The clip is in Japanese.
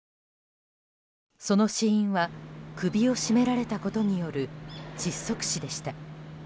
その死因は首を絞められたことによる窒息死でした。